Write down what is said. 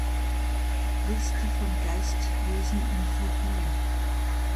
Liste von Geistwesen im Voodoo